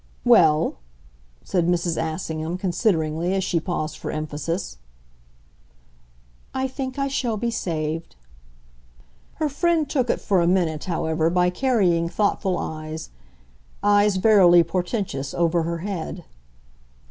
"Well?" said Mrs. Assingham, consideringly, as she paused for emphasis. "I think I shall be saved." Her friend took it, for a minute, however, by carrying thoughtful eyes, eyes verily portentous, over her head.